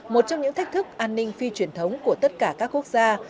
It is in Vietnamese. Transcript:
một trong những thách thức an ninh phi truyền thống của tất cả các quốc gia